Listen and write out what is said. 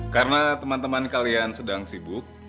karena teman teman kalian sedang sibuk